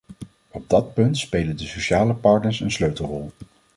Op dat punt spelen de sociale partners een sleutelrol.